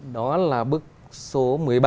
đó là bức số một mươi ba